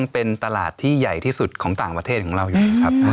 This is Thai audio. เป็นตลาดที่ใหญ่ที่สุดของต่างประเทศของเราอยู่ครับ